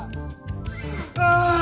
ああ！